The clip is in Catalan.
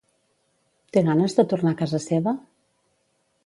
Té ganes de tornar a casa seva?